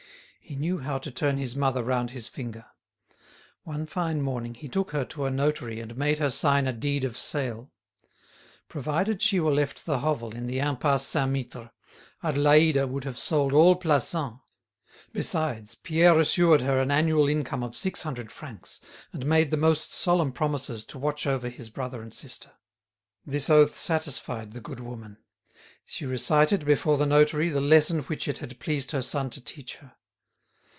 He knew how to turn his mother round his finger. One fine morning he took her to a notary and made her sign a deed of sale. Provided she were left the hovel in the Impasse Saint Mittre, Adélaïde would have sold all Plassans. Besides, Pierre assured her an annual income of six hundred francs, and made the most solemn promises to watch over his brother and sister. This oath satisfied the good woman. She recited, before the notary, the lesson which it had pleased her son to teach her.